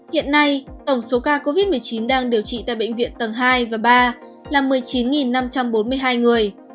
hiện nay tổng số ca covid một mươi chín đang điều trị tại bệnh viện tầng hai và ba là một mươi chín năm trăm bốn mươi hai người